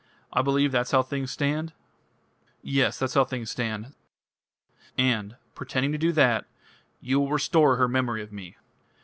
I believe that's how things stand?" "Yes that's how things stand." "And, pretending to do that, you will restore her memory of me."